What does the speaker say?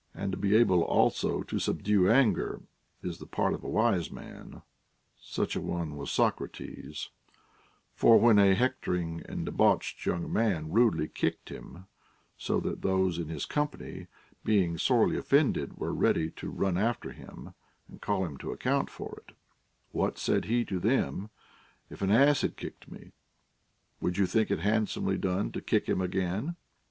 And to be able also to subdue anger is the part of a \vise man. Such a one was Socrates ; for when a hectoring and debauched young man rudely kicked him, so that those in his com pany, being sorely offended, were ready to run after him and call him to account for it, AVhat, said he to them, if an ass had kicked me, would you think it handsomely done to kick him again